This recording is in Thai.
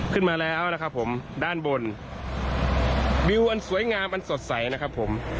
ขึ้นมาแล้วนะครับผมด้านบนวิวอันสวยงามอันสดใสนะครับผม